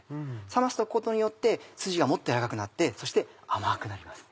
冷ますことによってスジがもっと軟らかくなってそして甘くなります。